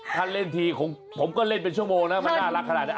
ถ้าเล่นทีผมก็เล่นเป็นชั่วโมงนะมันน่ารักขนาดนี้